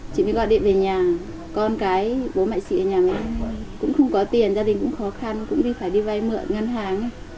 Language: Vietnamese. chị mới gọi điện về nhà con cái bố mẹ chị ở nhà cũng không có tiền gia đình cũng khó khăn cũng đi phải đi vay mượn ngân hàng